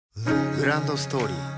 グランドストーリー